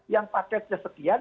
yang paketnya sekian